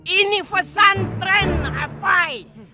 ini pesan tren afai